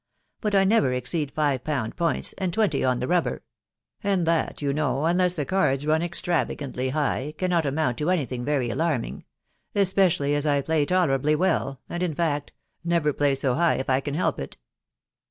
but I never exceed five pound points, and twenty on the rubber ; and that you know, unless the cards run extravagantly high, cannot amount to anything very alarming .... especially as I play tolerably well, and, in fact, never play so high if I can help it.